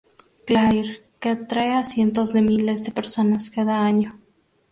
Clair", que atrae a cientos de miles de personas cada año.